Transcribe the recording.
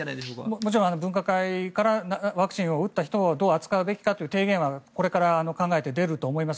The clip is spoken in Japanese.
もちろん、分科会からワクチンを打った人をどう扱うべきかという提言はこれから考えて出ると思います。